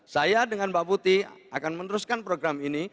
saya dengan mbak putih akan meneruskan program ini